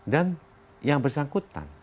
dan yang bersangkutan